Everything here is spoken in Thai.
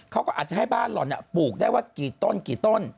เขาก็อาจจะให้บ้านหล่อนปลูกได้ว่ากี่ต้นกี่ต้น